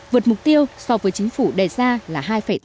vượt mục tiêu so với chính phủ đề ra là hai tám mươi